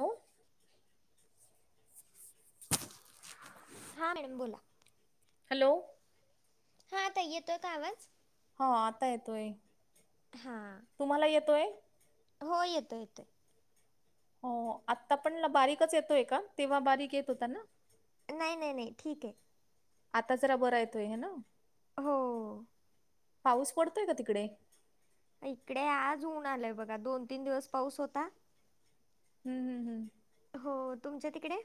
Hello. Hi बोल. Hello. हा ताई, येतोय का आवाज? हा आता येतोय. हा तुम्हाला येतोय? हो येतो येतोय. हो आत्ता पण बारीकच येतोय का? तेव्हा बारीक येत होता ना. नाही नाही नाही ठीक आहे. आता जरा बर येतोय ह ना, हो पाऊस पडतोय का तिकडे? इकडे आज ऊन आलय बघा दोन तीन दिवस पाऊस होता. हम्म हम हम् हो तुमच्या तिकडे?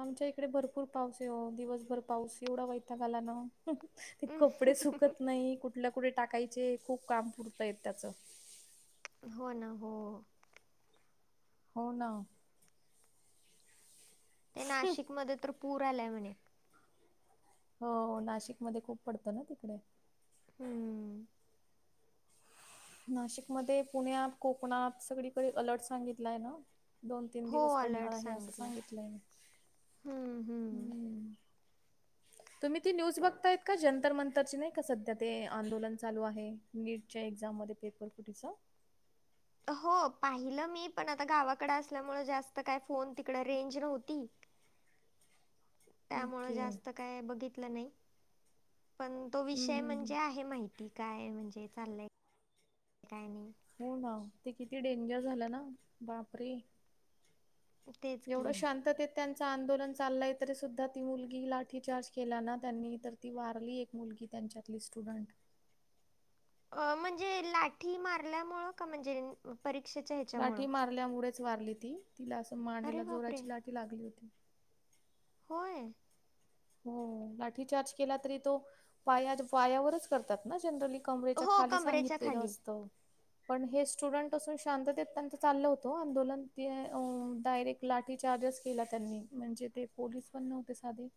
आमच्या इकडे भरपूर पाऊस आहे ओ दिवसभर पाऊस एवढा वयताग आला ना ते हम्म, कपडे सुकत नाही कुठल्या कुठे टाकायचे खूप काम पुरतंय त्याचं. हो ना हो हो ना ते नाशिकमध्ये तर पूर आल्याय म्हणे, हो हो नाशिकमध्ये खूप पडतो ना तिकड. हम्म नाशिकमध्ये पुण्यात कोकणात सगळीकडे अलर्ट सांगितलाय ना, दोन तीन हो दिवस पडणार अलर्ट आहे असं सांगितलंय हम्म हम्म. हम्. [unintelligible] तुम्ही ती न्यूज बघताय का जंतर मंतरची नाही का सध्या ते आंदोलन चालू आहे नीटच्या एक्झाम मध्ये, पेपर फुटीच. हो पाहिलं मी पण आता गावाकडे असल्यामुळे जास्त काय फोन तिकड रेंज नव्हती [inaudible] त्यामुळे ओके जास्त काय बघितलं नाही. पण तो हम्म विषय हम्म हम्म. म्हणजे आहे माहिती काय म्हणजे चाललाय काय नाही. हो ना ते किती डेंजर झालं ना बापरे. तेच एवढं की शांततेत त्यांचं आंदोलन चाललंय तरी सुद्धा ती मुलगी लाठीचार्ज केलाना त्यांनी तर ती वारली एक मुलगी त्यांच्यातली स्टुडंट. अ म्हणजे लाठी मारल्यामुळ का म्हणजे परीक्षेच्या ह्याच्यामुळं? लागल्यामुळेच वारली ती तिला असं मानेला अरे बापरे! जोराची लाठी लागली होती. होय हो लाठीचार्ज केला तरी तो पाया पायावरच करतात ना जनरली, कमरेच्या हो खाली कमरेच्या सांगितलेलं खाली. असत. पण हे स्टुडंट असून शांततेत त्यांच चाललं होतं आंदोलन त डायरेक्ट लाठी चार्जच केला त्यांनी म्हणजे ते पोलीस पण नव्हते साधे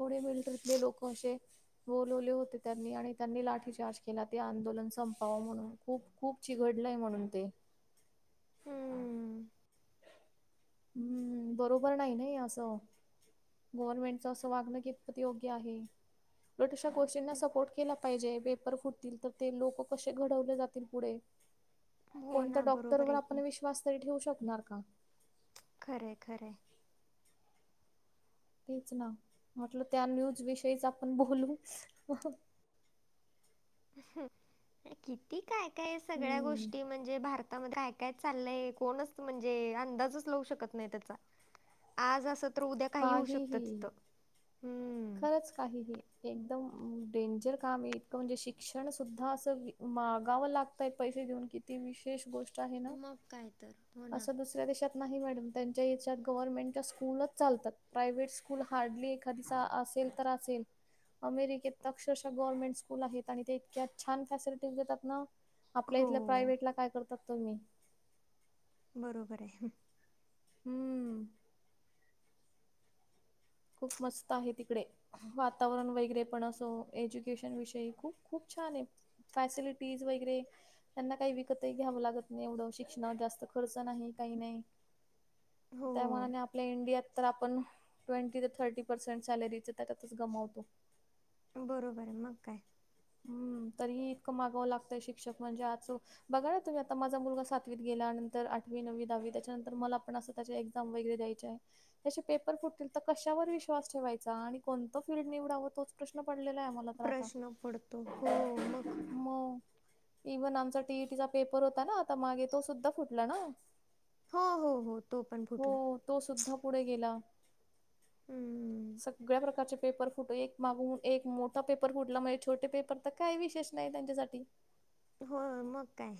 पुढे मिलिटरीतले लोक असे बोलवले होते त्यांनी आणि त्यांनी लाठीचार्ज केला ते आंदोलन संपावं म्हणून, - खूप खूप चिघकळलंय म्हणून ते, हम्म. हम्म बरोबर नाही ना हे असं. गव्हर्नमेंटच असं वागणं कितपत योग्य आहे उलटं अश्या गोष्टींना सपोर्ट केला पाहिजे पेपर फुटतील तर ते लोक कसे घडवले जातील पुढे हो कोणत्या ना डॉक्टर बरोबर वर आहे आपण की. विश्वास तरी ठेवू शकणार का खरे खरे हेच ना म्हटलं त्या न्यूज विषयीच आपण बोलू किती काय काय सगळ्या हम्म गोष्टी म्हणजे भारतामध्ये काय काय चाललंय कोणच म्हणजे अंदाजच लावू शकत नाही त्याचा आज अस तर उद्या काही होऊ शकत काहीही तिथ हम् खरंच काहीही एकदम डेंजर काम आहे इतकं म्हणजे शिक्षण सुद्धा अस मागावं लागत पैसे देऊन किती विशेष गोष्ट आहे ना मग काय तर. हो ना. असं दुसऱ्या देशात नाही मॅडम त्यांच्या याच्यात गव्हर्नमेंटच्या स्कूलच चालतात प्रायव्हेट स्कूल हार्डली एखादीचा जर असेल तर असेल अमेरिकेत अक्षरशः गवर्नमेंट स्कूल आहेत आणि ते इतक्या छान फॅसिलिटीज देतात ना आपल्या हो. इथल्या प्रायव्हेट ला काय करतात त मी बरोबर आहे हु हम्म खूप मस्त आहे तिकडे वातावरण वगैरे पण असो एज्युकेशन विषयी खूप खूप छान आहे फॅसिलिटीज वगैरे त्यांना काही विकतही घ्यावं लागत नाही एवढं शिक्षण जास्त खर्च नाही काही नाही हो त्यामानाने आपल्या इंडियात तर आपण ट्वेंटी ते थर्टी परसेन्ट सॅलेरी त्यातच गमावतो बरोबर ऐ मग काय हम्म तरीही इतकं मागावं लागतंय शिक्षक म्हणजे आज बघा ना तुम्ही आता माझ मुलगा सातवीत गेला नंतर आठवी नववी दहावी त्याच्यानंतर मला पण अस त्याच्या एक्झाम वगैरे द्यायचे तसे पेपर फुटतील तर कशावर विश्वास ठेवायचा आणि कोणतं फील्ड निवडावं तोच प्रश्न पडलेला आहे मला प्रश्न पडतो हो मग मग इव्हन आमचा टीईटीचा पेपर होता ना आता मागे तो सुद्धा फुटला ना हो हो हो तो पण हो फुटला तो सुद्धा पुढे गेला हम्म सगळ्या प्रकारचे पेपर फुटले एक मागून एक मोठा पेपर फुटला म्हणजे छोटे पेपर तर काय विशेष नाही त्यांच्यासाठी हो मग काय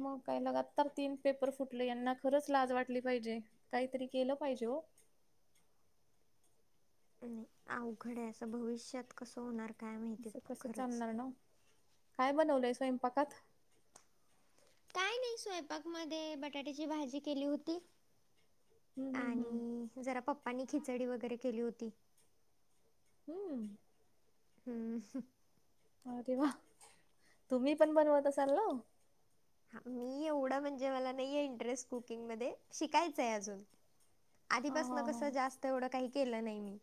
मग काही लगातार तीन पेपर फुटले यांना खरंच लाज वाटली पाहिजे काहीतरी केलं पाहिजे हो अवघड आहे असं भविष्यात कसं होणार काय माहितीय असं कसं खरंच चालणार ना काय बनवलय स्वयंपाकात काय नाही स्वयंपाक मध्ये बटाट्याची भाजी केली होती हम्म हम्म आणि जरा पप्पांनी खिचडी वगैरे केली होती. हम्म हम हु अरे वा तुम्ही पण बनवत असाल ना. मी एवढं म्हणजे मला नाही इंटरेस्ट कुकिंग मध्ये शिकायचंय अजून हा आधीपासून हा हा कसं जास्त एवढं काही केलं नाही मी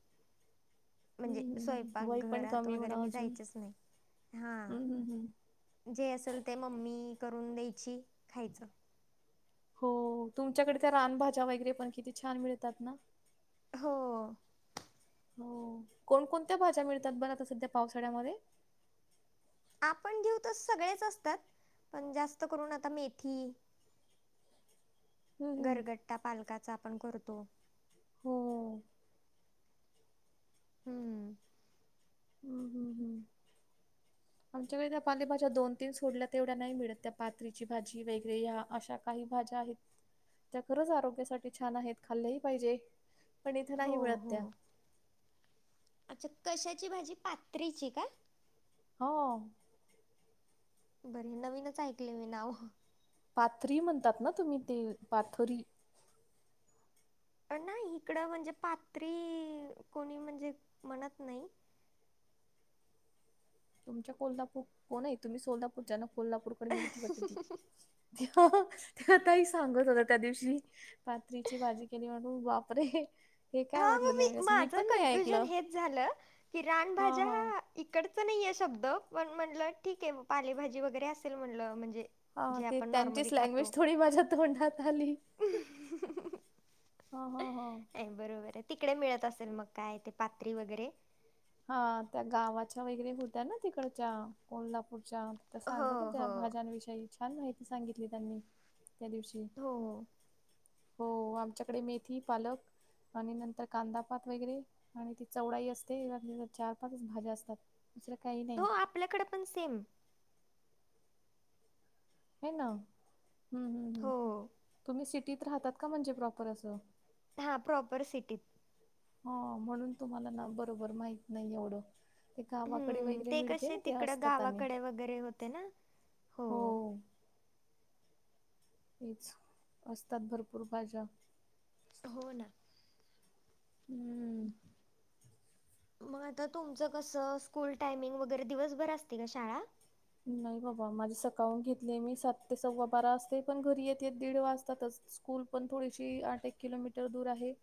म्हणजे, हम्म हम्म वय स्वयंपाक पण घरात कमी वगैरे म्हणा मी अजून जायचेच नाही. हा. हम्म हम्म हम्म जे असेल ते, मम्मी करून द्यायची, खायचं. हो, तुमच्याकड त्या रानभाज्या वगैरे, पण किती छान मिळतात ना? हो. हो. कोणकोणत्या भाज्या मिळतात बरं आता सध्या पावसाळ्यामध्ये? आपण घेऊ तर सगळेच असतात, पण जास्त करून आता मेथी हं, हं. गरगट्टा पालकाचा आपण करतो. हो. हम्म. हं, हं, हं. आमच्याकडे त्या पालेभाज्या दोन, तीन सोडल्या तेवढ्या नाही मिळत, त्या पातरीची भाजी वगैरे ह्या अशा काही भाज्या आहेत त्या खरंच आरोग्यासाठी छान आहेत खाल्लेही पाहिजे, पण इथे हो नाही मिळत हो त्या. अच्छा कशाची भाजी? पात्रीची का? हो. बर, हे नवीनच ऐकले मी नाव. पाथरी म्हणतात ना, तुम्ही ते पाथरी? नाही इकडं म्हणजे, पात्री कोणी म्हणजे म्हणत नाही. तुमच्या कोल्हापूर कोण हाय, तुम्ही सोलापूरचा ना कोल्हापूरकडे मिळती वाटत ती. त्या, त्या ताई सांगत होत्या त्या दिवशी. पातरीची भाजी केली म्हणून बापरे. हे हा, काय म्हटलं मग मी नेमकं असं माझं पण नाही कन्फ्युजन ऐकलं. हेच झालं की हां, रानभाज्या हां. इकडच नाहीय शब्द पण म्हणलं ठीक आहे, पालेभाजी वगैरे असेल म्हणलं, म्हणजे हा, जे ते आपण नॉर्मली त्यांचीच खातो लँग्वेज थोडी माझ्यात तोंडात आली. हा, हा, हा. बरोबर आहे, तिकडे मिळत असेल मग काय ते पात्री वगैरे? हा, त्या गावाच्या वगैरे होत्या ना तिकडच्या कोल्हापूरच्या हो सांगत होत्या, हो भाज्यांविषयी छान माहिती सांगितली त्यांनी. त्या दिवशी. हो हो आमच्याकडे मेथी, पालक आणि नंतर कांदापात वगैरे आणि ती चवडाई असते म्हणे चार, पाच भाज्या असतात, दुसरं काही नाही. आपल्याकडें पण सेम. हे ना. हम्म. हम्म हम्म हो तुम्ही सिटीत राहतात का, म्हणजे प्रॉपर असं? हा प्रॉपर सिटीत. हा, म्हणून तुम्हाला ना बरोबर माहत नाही एवढं. ते गावाकडे हम्म, वगैरे ते मिळते कसे ना ते तिकडं असतात आणि गावाकडे वगैरे होते ना, हो. हेच असतात भरपूर भाज्या. हो ना. हम्म. मग आता तुमचं कसं, स्कूल टायमिंग वगैरे दिवसभर असते का शाळा? नाही बाबा, माझी सकाळून घेतली मी सात ते सव्वा बारा आसते, पण घरी येत, येत दीड वाजतातच. स्कूल थोडीशी आठ एक किलोमीटर दूर आहे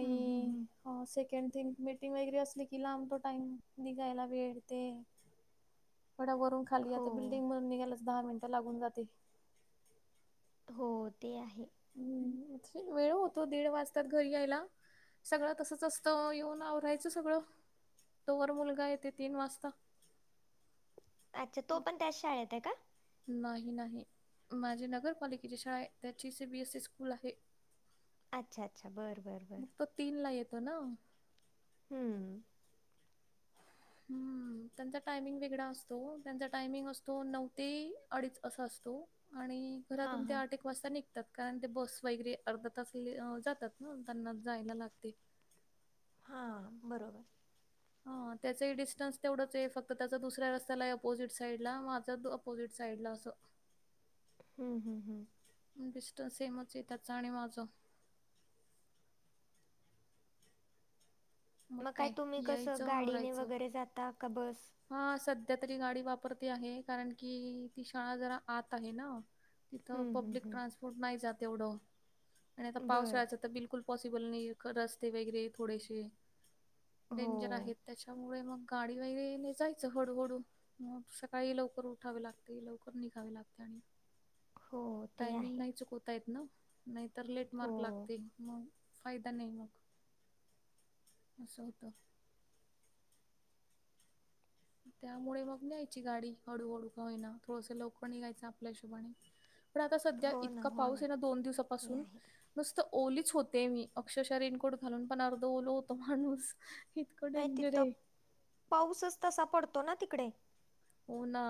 हम्म, हम्म, हम्म. हो, सेकंड थींग मीटिंग वगैरे की लांब तो टाईम निघायला वेळ ते. गडावरुन खाली येते, हो बिल्डिंग मधन यायलाच दहा मिनिटं लागून जाते. हो ते आहे. हम्म वेळ होतो दीड वाजतात घरी यायला सगळं तसचं असतं येऊन आवरायचं सगळं. तो वर मुलगा येते तीन वाजता. अच्छा मग तो पण त्याच शाळेत आहे का? नाही नाही, माझी नगरपालिकेची शाळा आहे. त्याची C B S C school आहे. अच्छा अच्छा बर बर बरं. तो तीनला येतो ना. हम्म. हम्म. त्यांचा टायमिंग वेगळा असतो. त्यांचा टायमिंग असतो नऊ ते अडीच असा असतो. आणि हां घरातून त्या हां आठ एक वाजता निघतात, कारण ते बस वगैरे अर्धा तास म्हणजे जातात ना त्यांना जायला लागते. हां बरोबर. हा त्याचाही डिस्टन्स तेवढंच आहे फक्त त्याचा दुसऱ्या रस्त्या आहे अपोजिट साईडला, माझा ऑपोजिट साईडला असं. हम्म हम्म हम्म. डिस्टन्स सेमचंय त्याचं आणि माझं. मग काय तुम्ही कसं गाडीने वगैरे जाता का बस? हा सध्या तरी गाडी वापरते आहे, कारण की ती शाळा जरा आत आहे ना. तिथं हम्म हम्म पब्लिक हम्म ट्रान्सपोर्ट नाही जात एवढं आणि आता बरं पावसाळ्याचं तर बिल कुल पॉसिबल नाहीये रस्ते वगैरे थोडेसे डेंजर हो. आहेत. त्याच्यामुळे मग गाडी वगैरे जायचं हळूहळू, मग सकाळी लवकर उठावे लागते लवकर निघावे लागते आणि हो ते टायमिंग आहे नाही चुकवता येत ना नाहीतर लेट हो मार्क लागते मग. फायदा नाही मग असं होतं. मग त्यामुळे मग न्यायची गाडी हळूहळू का होईना, थोडंसं लवकर निघायचं आपल्या हशोबाने. पण आता सध्या हो ना इतका हो पाऊस आहे ना दोन ते दिवसापासून आहे. नुसतं ओलीचं होते मी अक्षरशः रेनकोट घालून पण अर्ध ओल होतं माणूस इ नाही तिथं, पाऊसचं तसा पडतो ना तिकडे. हो ना.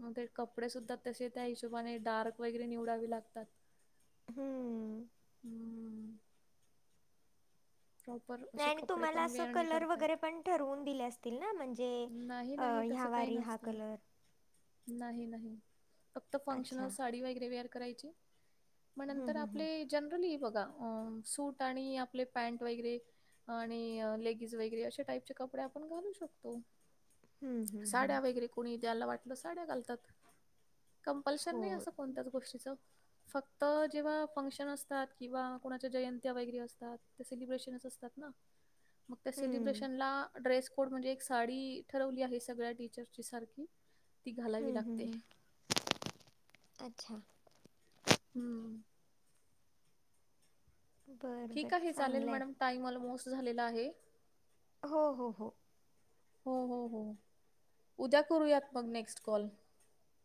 मग ते कपडे सुद्धा तसे त्या हिशोबाने डार्क वगैरे निवडावे लागतात. हम्म. हम्म. [unintelligible] नाही आणि कपडे तुम्हाला पण असं वेअर नाही कलर वगैरे करतायत पण ठरवून दिले असतील ना? म्हणजे हे नाही अ नाही ह्या तसं काही वारी हा नसतं कलर? नाही नाही, फक्त अच्छा फंक्शनल साडी वगैरे वेअर करायची. मग हम्म नंतर हम्म हम्म. आपले जनरली बघा अ सूट आणि आपले पॅनट वगैरे. आणि लेगीज वगैरे अशे टाईपचे कपडे आपण घालू शक तो. हं, हं, साड्या हं. वगैरे कोणी ज्याला वाटलं साड्या घालतात. कंपल्शन नाही होय. असं कोणत्याच गोष्टीचं. फक्त जेव्हा फंक्शन असतात किंवा कोणाच्या जयंत्या वगैरे असतात, ते सेलिब्रेशनस असतात ना? मग त्या हं. सेलिब्रेशनला ड्रेस कोड म्हणजे साडी ठरवली आहे, सगळ्या टीचरची सारखी ती घालावी हम्म लागते. हम्म हम्म, अच्छा. हम्म. बरं ठीक बरं आहे चालेल चांगलं आहे. मॅडम टाइम ऑलमोस्ट झालेला आहे. हो हो हो. हो हो हो, उद्या करूयात मग नेक्स्ट कॉल.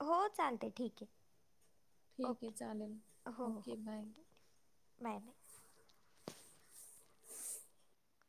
हो चालतय ठीक आहे. ठीक आहे ओके. चालल, हो, हो, ओके हो. बाय. बाय.